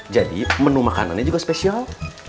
jadi menu makanannya juga spesial